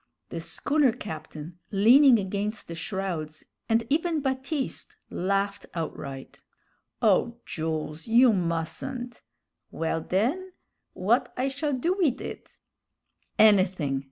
The schooner captain, leaning against the shrouds, and even Baptiste, laughed outright. "O Jools, you mustn't!" "Well, den, w'at I shall do wid it?" "Anything!"